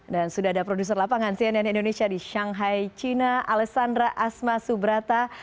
dan sudah ada produser lapangan cnn indonesia di shanghai china alessandra asma subrata